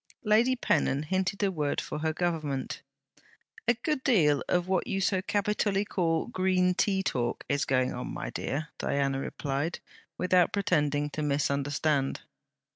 Lady Pennon hinted a word for her Government. 'A good deal of what you so capitally call "Green tea talk" is going on, my dear.' Diana replied, without pretending to misunderstand.